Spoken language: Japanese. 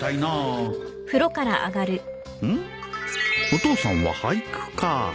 お父さんは俳句か